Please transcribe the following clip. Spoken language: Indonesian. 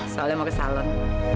soalnya mau ke salon